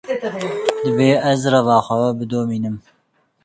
Divê ez reva xwe bidomînim.